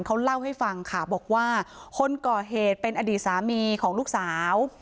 เขาเล่าให้ฟังค่ะบอกว่าคนก่อเหตุเป็นอดีตสามีของลูกสาว